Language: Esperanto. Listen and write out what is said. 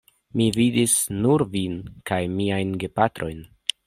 Mi vidis nur vin kaj miajn gepatrojn.